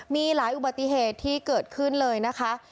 มีหลายอุบัติเหตุที่เกิดขึ้นเลยนะคะ